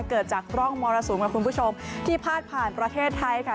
เกิดจากร่องมรสุมค่ะคุณผู้ชมที่พาดผ่านประเทศไทยค่ะ